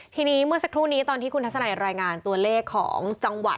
ทีนี้เมื่อสักครู่นี้ตอนที่คุณทัศนัยรายงานตัวเลขของจังหวัด